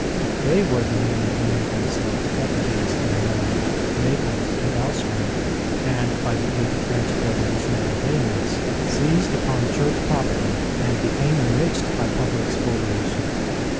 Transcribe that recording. They were the men who made themselves deputies in Rome, Naples, and elsewhere, and by the aid of French revolutionary bayonets seized upon Church property and became enriched by public spoliation.